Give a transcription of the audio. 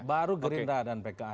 baru gerindra dan pks